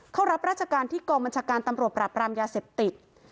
เข้ารับราชการที่กองบัญชาการตำรวจปรับรามยาเสพติด